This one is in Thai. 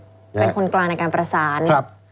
เป็นคนกลางในการประสาน